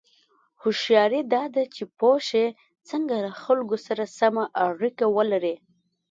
هوښیاري دا ده چې پوه شې څنګه له خلکو سره سمه اړیکه ولرې.